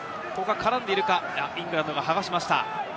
イングランドが剥がしました。